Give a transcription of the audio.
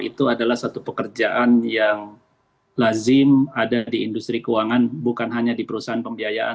itu adalah satu pekerjaan yang lazim ada di industri keuangan bukan hanya di perusahaan pembiayaan